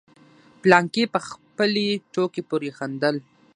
فلانکي په خپلې ټوکې پورې خندل.